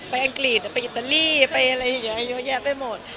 อังกฤษไปอิตาลีไปอะไรอย่างนี้เยอะแยะไปหมด